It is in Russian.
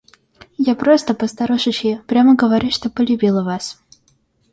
Я просто, по-старушечьи, прямо говорю, что полюбила вас.